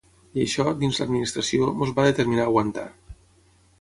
I això, dins l’administració, ens va determinar a aguantar.